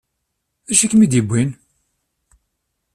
D acu i kem-id-yewwin?